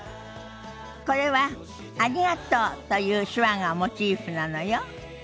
これは「ありがとう」という手話がモチーフなのよ。